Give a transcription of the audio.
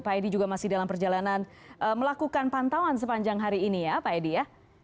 pak edi juga masih dalam perjalanan melakukan pantauan sepanjang hari ini ya pak edi ya